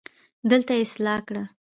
دلته يې اصلاح کړه